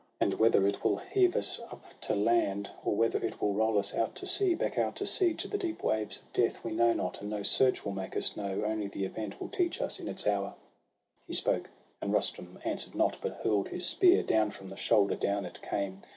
And whether it will heave us up to land, Or whether it will roll us out to sea. Back out to sea, to the deep waves of death, We know not, and no search will make us know ; Only the event will teach us in its hour.' He spoke, and Rustum answer'd not, but hurl'd His spear; down from the shoulder, down it came.